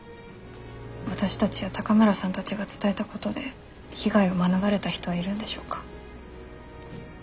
私たちや高村さんたちが伝えたことで被害を免れた人はいるんでしょうか？